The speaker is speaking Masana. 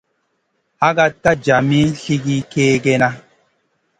Hakak ka djami sigi kegena.